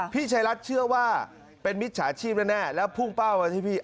พี่ชายรัฐเชื่อว่าเป็นมิจฉาชีพแน่แล้วพุ่งเป้ามาที่พี่